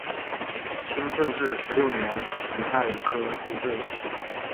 清顺治十六年己亥科进士。